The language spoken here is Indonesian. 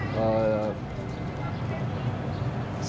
semangat tidak boleh males